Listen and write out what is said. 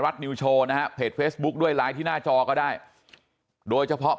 นิวโชว์นะฮะเพจเฟซบุ๊คด้วยไลน์ที่หน้าจอก็ได้โดยเฉพาะ